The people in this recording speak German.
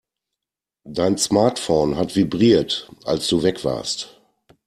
Dein Smartphone hat vibriert, als du weg warst.